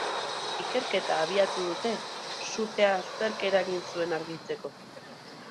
Ikerketa abiatu dute sutea zerk eragin zuen argitzeko.